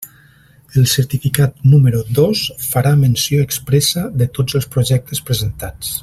El certificat número dos farà menció expressa de tots els projectes presentats.